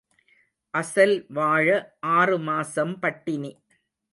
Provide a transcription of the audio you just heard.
அசல் வாழ ஆறு மாசம் பட்டினி.